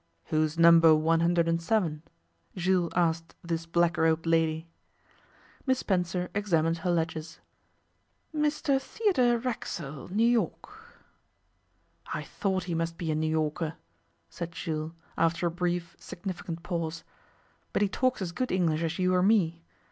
'Who's Number 107?' Jules asked this black robed lady. Miss Spencer examined her ledgers. 'Mr Theodore Racksole, New York.' 'I thought he must be a New Yorker,' said Jules, after a brief, significant pause, 'but he talks as good English as you or me.